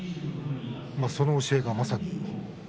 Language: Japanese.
その教えがまさに。